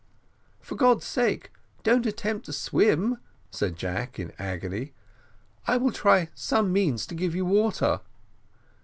"For God's sake, don't attempt to swim," said Jack, in an agony; "I will try some means to give you water."